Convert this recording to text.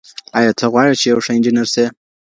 ایا ته غواړي چي یو ښه انجنیر سي؟